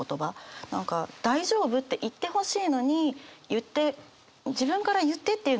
何か大丈夫？って言ってほしいのに言って自分から言ってっていうのは違うんですよ。